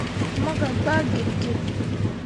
Mo gah gbaa git git.